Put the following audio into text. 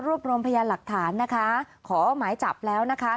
รวมรวมพยานหลักฐานนะคะขอหมายจับแล้วนะคะ